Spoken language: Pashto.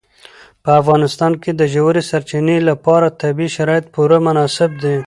په افغانستان کې د ژورې سرچینې لپاره طبیعي شرایط پوره مناسب دي.